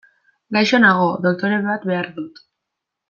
Gaixo nago, doktore bat behar dut.